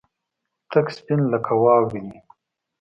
تک سپين لکه واورې دي.